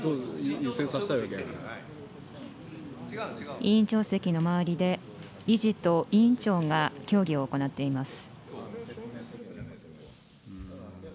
委員長席の周りで、理事と委員長が協議を行っています。